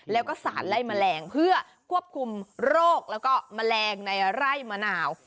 แล้วก็สารไล่แมลงเพื่อควบคุมโรคแล้วก็แมลงในไร่มะนาว